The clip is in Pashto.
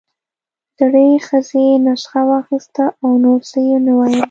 زړې ښځې نسخه واخيسته او نور څه يې ونه ويل.